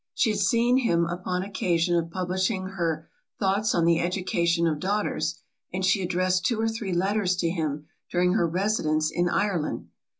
She had seen him upon occasion of publishing her Thoughts on the Education of Daughters, and she addressed two or three letters to him during her residence in Ireland.